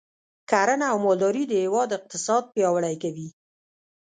کرنه او مالداري د هیواد اقتصاد پیاوړی کوي.